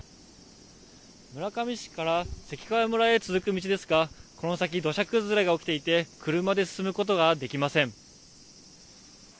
村上市から関川村へ続く道ですが、この先、土砂崩れが起きていて、車で進むことができません。